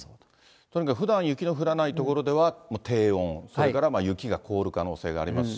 とにかくふだん雪の降らない所では低温、それから雪が凍る可能性がありますし、